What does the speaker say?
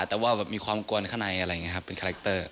แต่ว่ามีความกวนข้างในเป็นคาแรคเตอร์